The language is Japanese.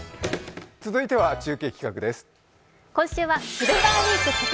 続いては中継企画です。